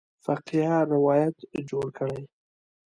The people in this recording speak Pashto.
فقیه روایت جوړ کړی.